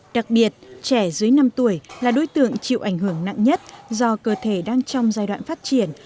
đặc biệt trẻ dưới năm tuổi là đối tượng chịu ảnh hưởng nặng nhất do cơ thể đang trong giai đoạn phát triển